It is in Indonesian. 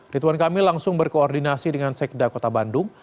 rituan kamil langsung berkoordinasi dengan sekda kota bandung